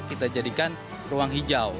kita jadikan ruang hijau